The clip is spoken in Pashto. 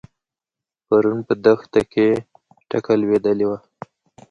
پرون په دښته کې ټکه لوېدلې وه.